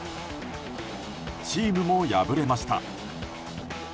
チームも敗れました。